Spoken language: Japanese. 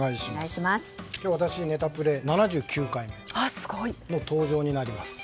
今日で私、ネタプレは７９回目の登場になります。